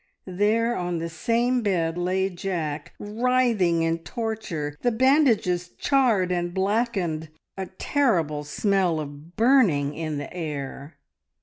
There on the same bed lay Jack, writhing in torture, the bandages charred and blackened, a terrible smell of burning in the air.